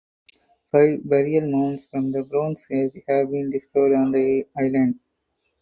Five burial mounds from the Bronze Age have been discovered on the island.